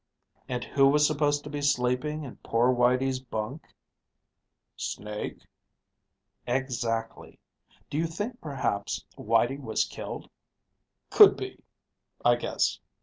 "And who was supposed to be sleeping in poor Whitey's bunk?" "Snake?" "Exactly. Do you think perhaps White was killed?" "Could be, I guess.